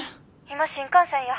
今新幹線や。